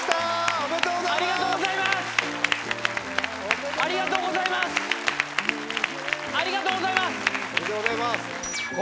おめでとうございます。